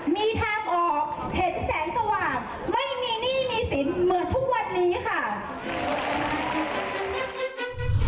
ไม่มีหนี้มีสินเหมือนทุกวันนี้ค่ะ